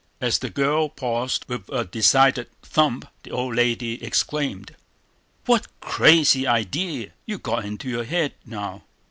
As the girl paused, with a decided thump, the old lady exclaimed: "What crazy idee you got into your head now?"